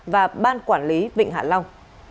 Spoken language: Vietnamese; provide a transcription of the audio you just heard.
và ban quản lý vịnh hạ long